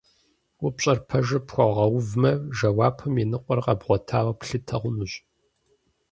Упщӏэр пэжу пхуэгъэувмэ, жэуапым и ныкъуэр къэбгъуэтауэ плъытэ хъунущ.